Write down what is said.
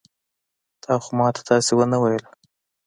تا خو ما ته داسې ونه ويل.